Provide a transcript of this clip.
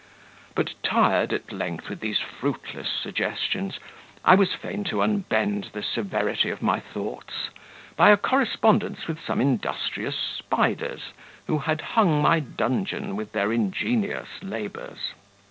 But tired, at length, with these fruitless suggestions, I was fain to unbend the severity of my thoughts by a correspondence with some industrious spiders, who had hung my dungeon with their ingenious labours.